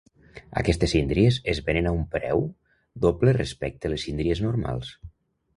Aquestes síndries es venen a un peu doble respecte les síndries normals.